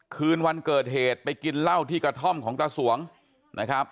คืนวันเกิดเหตุไปกินเหล้าที่กระท่อมของตาสวงนะครับ